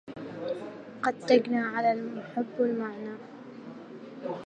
قد تجنى على المحب المعنى